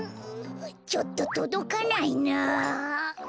ちょっととどかないな。